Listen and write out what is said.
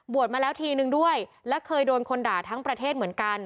มาแล้วทีนึงด้วยและเคยโดนคนด่าทั้งประเทศเหมือนกัน